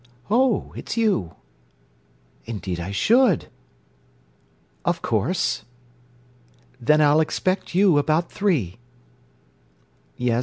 Oh, it's you! Indeed I should!... Of course... Then I'll expect you about three... Yes.